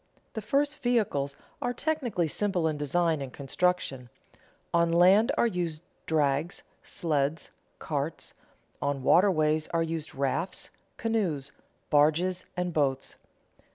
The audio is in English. The first vehicles are technically simple in design and construction; on land are used drags, sleds, carts; on waterways are used rafts, canoes, barges, and boats.